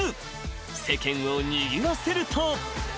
［世間をにぎわせると］